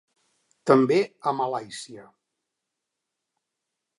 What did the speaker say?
També a Malàisia.